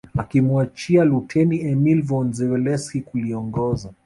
Akimwachia Luteni Emil von Zelewski kuliongoza